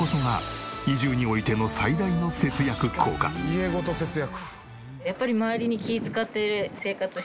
家ごと節約。